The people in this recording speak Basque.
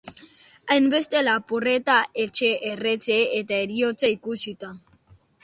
Hainbeste lapurreta, etxe erretze eta heriotza ikusita.